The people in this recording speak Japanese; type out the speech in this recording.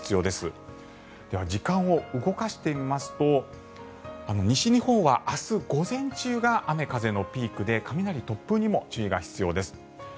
では、時間を動かしてみますと西日本は明日午前中が雨、風のピークで雷、突風にも注意が必要です。